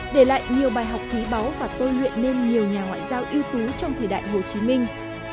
để lại nhiều bài học thí báu và tôi luyện nên nhiều nhà ngoại giao yếu tố trong thời đại hồ chí minh